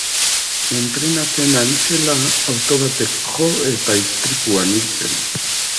Entrenatzen ari zela, auto batek jo eta istripuan hil zen.